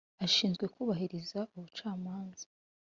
ashinzwe kubahiriza ubucamanza .